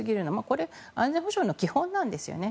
これ、安全保障の基本なんですよね。